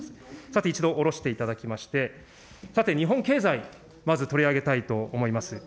さて、一度下ろしていただきまして、さて、日本経済、まず取り上げたいと思います。